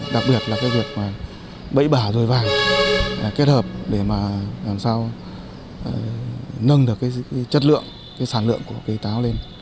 đặc biệt là cái việc bẫy bả rồi vàng kết hợp để làm sao nâng được chất lượng sản lượng của táo lên